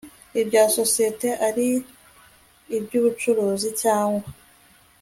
ibya sosiyete ari iby ubucuruzi cyangwa